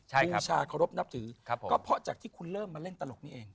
บูชาเคารพนับถือก็เพราะจากที่คุณเริ่มมาเล่นตลกนี้เอง